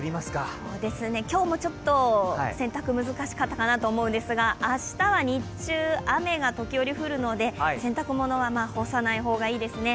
そうですね、今日もちょっと洗濯、難しかったかなと思うんですが明日は日中、雨が時折降るので洗濯物は干さない方がいいですね。